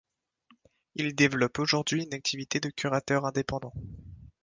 Il développe aujourd’hui une activité de curateur indépendant.